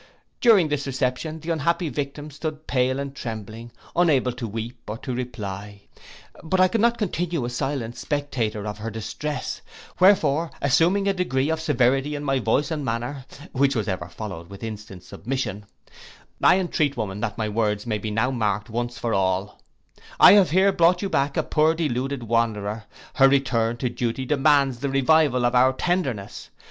'—During this reception, the unhappy victim stood pale and trembling, unable to weep or to reply; but I could not continue a silent spectator of her distress, wherefore assuming a degree of severity in my voice and manner, which was ever followed with instant submission, 'I entreat, woman, that my words may be now marked once for all: I have here brought you back a poor deluded wanderer; her return to duty demands the revival of our tenderness.